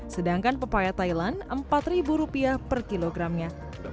sedangkan papaya thailand empat ribu rupiah per kilogramnya